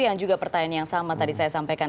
yang juga pertanyaan yang sama tadi saya sampaikan